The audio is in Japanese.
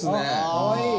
かわいい！